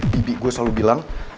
bibik gua selalu bilang